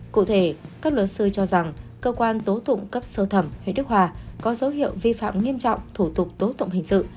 cụ thể các luật sư cho rằng cơ quan tố tụng cấp sơ thẩm huyện đức hòa có dấu hiệu vi phạm nghiêm trọng thủ tục tố tụng hình sự